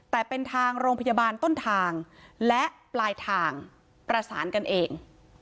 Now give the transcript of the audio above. แต่เป็นทางโรงพยาบาลต้นทางและปลายทางประสานกันเอง